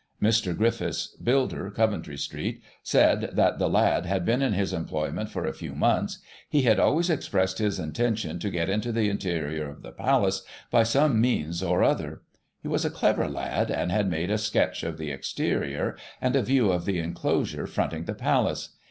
Mr. Griffiths, builder, Coventry Street, said that the lad had been in his employment for a few months; he had always expressed his intention to get into the interior of the Palace by some means or other; he was a clever lad. Digiti ized by Google 76 GOSSIP. [1838 and had made a sketch of the exterior, and a view of the enclosure fronting the Palace.